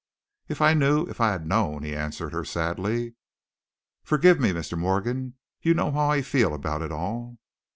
"If I knew; if I had known," he answered her, sadly. "Forgive me, Mr. Morgan. You know how I feel about it all."